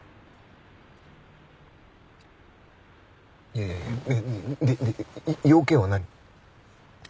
いやいやで用件は何？